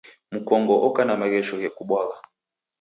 Mkongo oka na maghesho ghekubwagha.